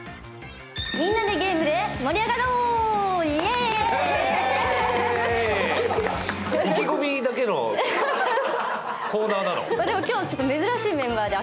みんなでゲームで盛り上がろう、イェーイ！